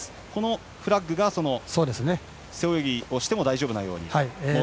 フラッグは、背泳ぎをしても大丈夫なように。